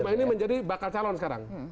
lima ini menjadi bakal calon sekarang